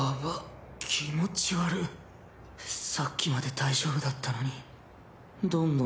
さっきまで大丈夫だったのにガン！